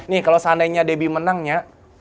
nih kalau seandainya debbie menangnya